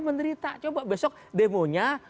menderita coba besok demonya